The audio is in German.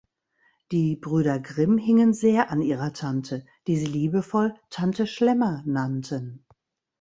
Die Brüder Grimm hingen sehr an ihrer Tante, die sie liebevoll „Tante Schlemmer“ nannten.